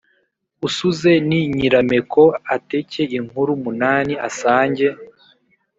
« usuze ni nyirameko/ ateke inkuru munani/ asange